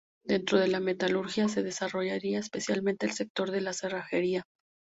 Dentro de la metalurgia se desarrollaría especialmente el sector de la cerrajería.